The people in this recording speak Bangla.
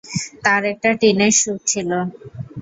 তার একটা টিনের স্যুট ছিল।